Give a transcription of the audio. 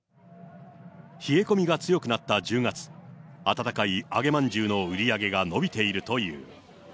冷え込みが強くなった１０月、温かい揚げまんじゅうの売り上げが伸びているという。